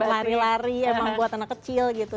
lari lari emang buat anak kecil gitu